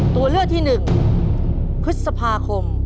ตัวเลือกที่๑พฤษภาคม